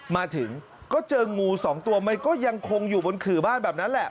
มาถึงก็เจองูสองตัวมันก็ยังคงอยู่บนขื่อบ้านแบบนั้นแหละ